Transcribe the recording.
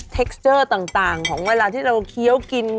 เทคสเตอร์ต่างของเวลาที่เราเคี้ยวกิน